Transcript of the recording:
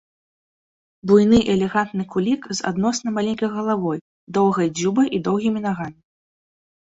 Буйны элегантны кулік з адносна маленькай галавой, доўгай дзюбай і доўгімі нагамі.